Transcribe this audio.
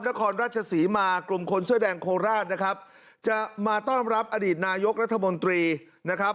นครราชศรีมากลุ่มคนเสื้อแดงโคราชนะครับจะมาต้อนรับอดีตนายกรัฐมนตรีนะครับ